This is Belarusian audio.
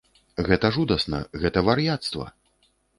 Гэта жудасна, гэта вар'яцтва!